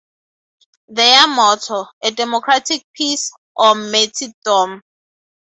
Their motto, a democratic peace, or martyrdom.